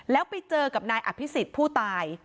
แล้วไปเจอกับนายอภิษฎผู้ตาย